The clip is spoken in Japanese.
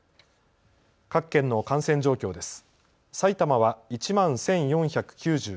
各県の感染状況です。